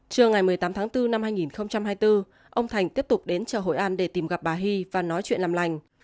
trưa ngày một mươi tám tháng bốn năm hai nghìn hai mươi bốn ông thành tiếp tục đến chợ hội an để tìm gặp bà hy và nói chuyện làm lành